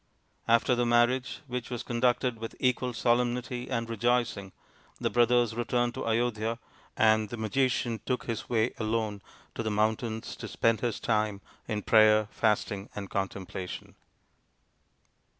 After the marriage, which was conducted with equal solemnity and rejoicing, the brothers returned to Ayodhya and the magician took his way alone to the mountains to spend his time in prayer, fasting, and contemplation.